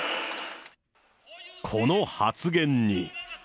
この発言に。